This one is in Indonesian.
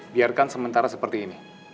biarkan sementara seperti ini